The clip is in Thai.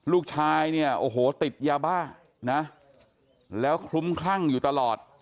ลูกชายเนี่ยโอ้โหติดยาบ้านะแล้วคลุ้มคลั่งอยู่ตลอด